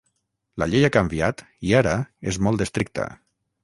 La llei ha canviat i ara és molt estricta.